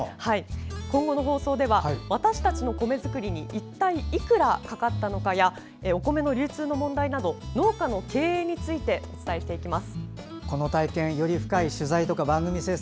今後の放送では私たちの米作りに一体いくらかかったのかやお米の流通の問題など農家の経営についてお伝えします。